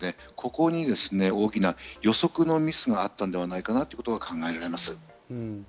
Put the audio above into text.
ここに大きな予測のミスがあったのではないかなということが考えられます。